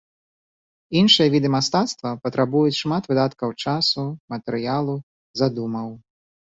Іншыя віды мастацтва патрабуюць шмат выдаткаў часу, матэрыялу, задумаў.